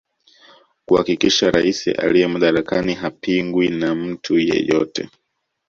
Kuhakikisha rais aliye madarakani hapingwi na mtu yeyote